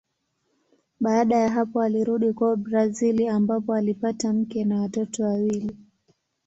Baada ya hapo alirudi kwao Brazili ambapo alipata mke na watoto wawili.